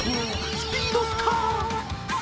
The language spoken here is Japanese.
スピードスター！